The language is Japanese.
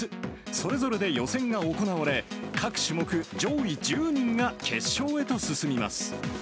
それぞれで予選が行われ、各種目上位１０人が決勝へと進みます。